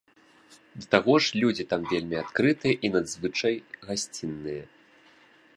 Да таго ж, людзі там вельмі адкрытыя і надзвычай гасцінныя.